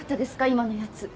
今のやつ。